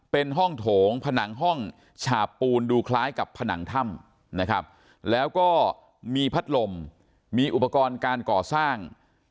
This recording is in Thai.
เป็นห้องโถงผนังห้องฉาบปูนดูคล้ายกับผนังถ้ำนะครับแล้วก็มีพัดลมมีอุปกรณ์การก่อสร้าง